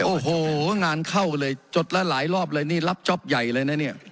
โอ้โหงานเข้าเลยจดแล้วหลายรอบเลยนี่รับจ๊อปใหญ่เลยนะเนี่ย